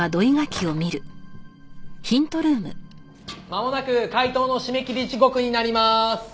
まもなく解答の締め切り時刻になります。